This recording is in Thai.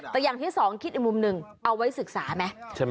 แต่อย่างที่สองคิดอีกมุมหนึ่งเอาไว้ศึกษาไหม